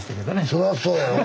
そりゃそうやろ。